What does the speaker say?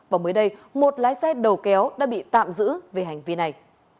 và mới đây một lái xe đầu kéo đã bị tạm giữ về hành vi này